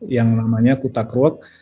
yang namanya kutak road